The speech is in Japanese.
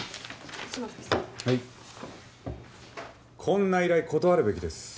こんな依頼断るべきです。